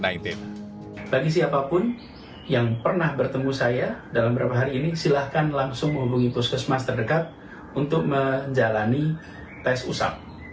bagi siapapun yang pernah bertemu saya dalam beberapa hari ini silahkan langsung menghubungi puskesmas terdekat untuk menjalani tes usap